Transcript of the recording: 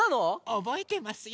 おぼえてますよ。